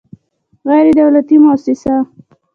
غیر دولتي موسسه